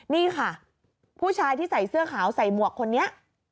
นี่ค่ะผู้ชายที่ใส่เสื้อขาวใส่หมวกคนนี้